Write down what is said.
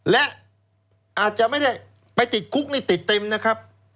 และอาจจะไม่ได้ไปติดคุกนี่ติดเต็มนะครับ